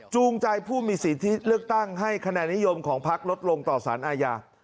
จูงใจผู้มีสิทธิเลือกตั้งให้คะแนนนิยมของพักลดลงต่อสารอาญา